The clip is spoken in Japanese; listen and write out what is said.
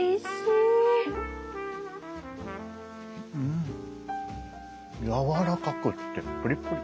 んやわらかくってプリプリ。